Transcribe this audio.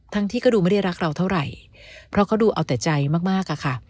ที่ก็ดูไม่ได้รักเราเท่าไหร่เพราะเขาดูเอาแต่ใจมากมากอะค่ะ